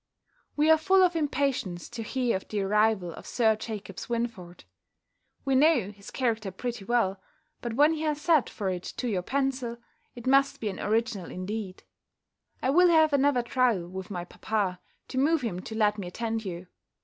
We are full of impatience to hear of the arrival of Sir Jacob Swynford. We know his character pretty well: but when he has sat for it to your pencil, it must be an original indeed. I will have another trial with my papa, to move him to let me attend you.